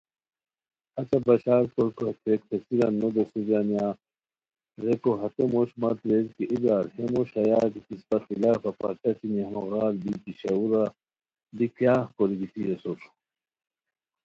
اچہ بشار کوریکو ہے تھویک پیڅھیران نو دوسیتانیہ ریکو ،ہتے موش مت ریر کی اے برار ہے موش ہیہ گیتی اسپہ خلافہ پرچہ چھینی ہموغار بی پشاروا بی کیاغ کوری گیتی اسور